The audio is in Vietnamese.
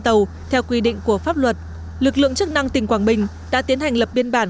tàu theo quy định của pháp luật lực lượng chức năng tỉnh quảng bình đã tiến hành lập biên bản